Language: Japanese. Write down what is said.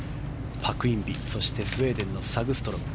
パク・インビ、そしてスウェーデンのサグストロム。